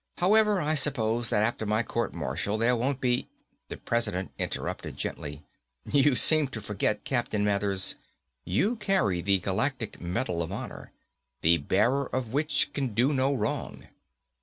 However, I suppose that after my court martial, there won't be ..." The President interrupted gently. "You seem to forget, Captain Mathers. You carry the Galactic Medal of Honor, the bearer of which can do no wrong."